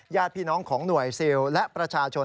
ญาติพี่น้องของหน่วยซิลและประชาชน